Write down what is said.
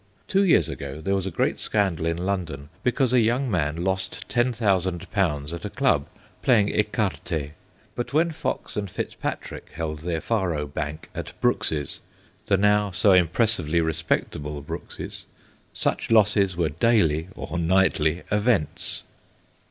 Two years ago there was a great scandal in London because a young man lost ten thousand pounds at a club, playing ecarte\ but when Fox and FitzPatrick held their GEORGIANA AND CHARLES 33 faro bank at Brooke's the now so impres sively respectable Brooks' s such losses were daily or nightly events.